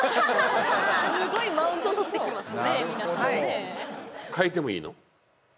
すごいマウント取ってきますね